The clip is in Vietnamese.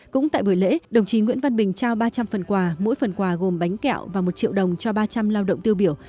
cũng tại buổi lễ đồng chí nguyễn văn bình trao ba trăm linh phần quà mỗi phần quà gồm bánh kẹo và một triệu đồng cho ba trăm linh lao động tiêu biểu